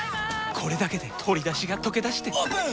これだけで鶏だしがとけだしてオープン！